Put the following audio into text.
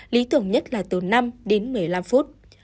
lý tưởng nhất là từ năm đến một mươi năm phút